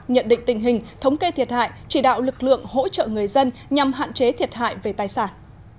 nhận định tình hình thống kê thiệt hại chỉ đạo lực lượng hỗ trợ người dân nhằm hạn chế thiệt hại về tài sản